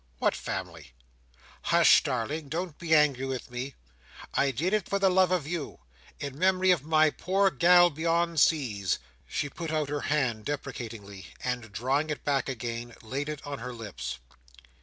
"What family?" "Hush, darling. Don't be angry with me. I did it for the love of you. In memory of my poor gal beyond seas." She put out her hand deprecatingly, and drawing it back again, laid it on her lips.